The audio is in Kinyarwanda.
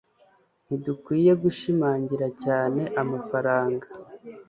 ntidukwiye gushimangira cyane amafaranga